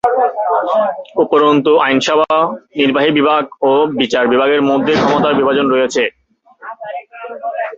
উপরন্তু আইনসভা, নির্বাহি বিভাগ ও বিচার বিভাগের মধ্যে ক্ষমতার বিভাজন রয়েছে।